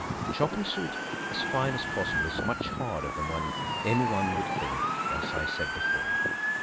Chopping suet as fine as possible is much harder than any one would think, as I said before.